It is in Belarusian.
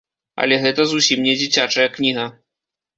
Але гэта зусім не дзіцячая кніга.